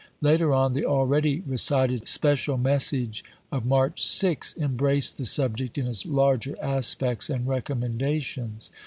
Later on, the already re 1862. cited special message of March 6 embraced the subject in its larger aspects and recommendations.